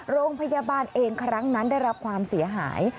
โรงพยาบาลเองครั้งนั้นได้รับความเสียหาย